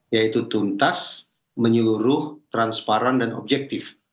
yaitu tuntas menyeluruh transparan dan objektif